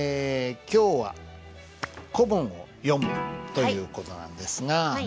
今日は「古文を読む」という事なんですが。